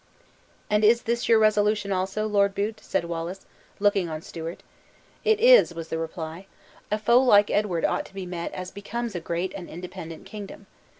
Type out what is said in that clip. "And is this your resolution also, Lord Bute?" said Wallace, looking on Stewart. "It is," was the reply; "a foe like Edward ought to be met as becomes a great and independent kingdom.